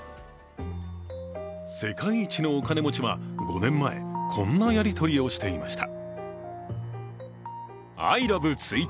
世界一のお金持ちは５年前こんなやりとりをしていました。